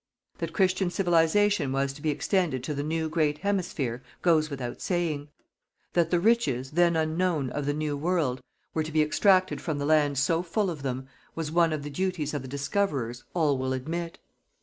That Christian Civilization was to be extended to the new great Hemisphere, goes without saying. That the riches, then unknown, of the New World, were to be extracted from the land so full of them, was one of the duties of the discoverers, all will admit.